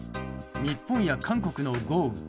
日本や韓国の豪雨。